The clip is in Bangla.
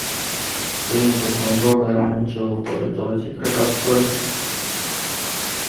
তিনি প্রথমে ব্রডওয়ে মঞ্চে ও পরে চলচ্চিত্রে কাজ করেন।